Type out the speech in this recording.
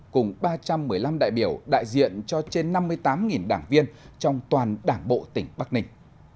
cùng ba trăm một mươi năm đại biểu đại diện cho trên năm mươi tám đảng viên trong toàn đảng bộ tỉnh bắc ninh